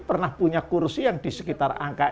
pernah punya kursi yang di sekitar angka